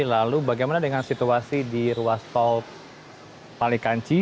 lalu bagaimana dengan situasi di ruas tol palikanci